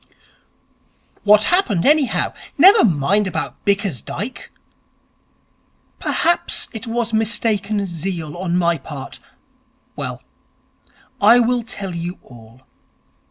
'What happened, anyhow? Never mind about Bickersdyke.' 'Perhaps it was mistaken zeal on my part.... Well, I will tell you all.